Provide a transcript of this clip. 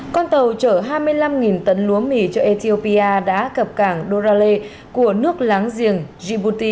con tàu chở hai mươi năm tấn lúa mì cho ethiopia đã cập cảng durale của nước láng giềng djibuti